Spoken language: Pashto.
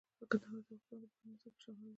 کندهار د افغانستان د پوهنې نصاب کې شامل دي.